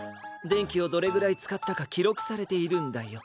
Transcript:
でんきをどれぐらいつかったかきろくされているんだよ。